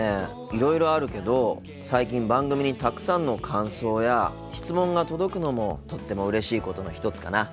いろいろあるけど最近番組にたくさんの感想や質問が届くのもとってもうれしいことの一つかな。